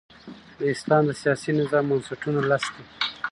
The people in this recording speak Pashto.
د اسلام د سیاسي نظام بنسټونه لس دي.